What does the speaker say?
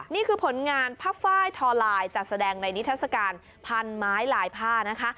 นี่คือผลงานผ้าไฟล์ทอลายจัดแสดงในนิทัศกาลพันไม้ลายผ้านะคะ